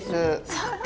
そっか。